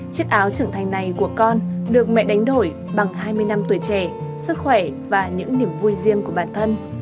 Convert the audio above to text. chiếc áo trưởng thành này của con được mẹ đánh đổi bằng hai mươi năm tuổi trẻ sức khỏe và những niềm vui riêng của bản thân